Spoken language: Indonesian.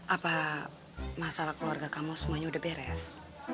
apa masalah keluarga kamu semuanya udah beres